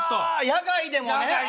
野外でもね。